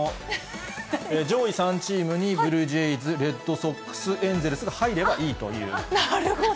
上位３チームにブルージェイズ、レッドソックス、エンゼルスが入なるほど。